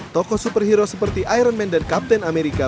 tokoh superhero seperti iron man dan kapten amerika